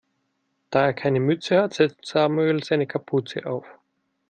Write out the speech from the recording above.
Da er keine Mütze hat, setzt Samuel seine Kapuze auf.